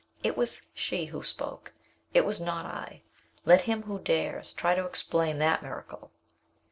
It was she who spoke, it was not I. Let him who dares, try to explain that miracle."